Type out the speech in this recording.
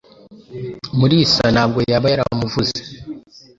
Mulisa ntabwo yari yaramuvuze!